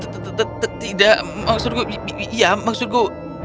tidak maksudku ya maksudku